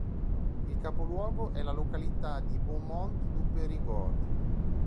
Il capoluogo è la località di Beaumont-du-Périgord.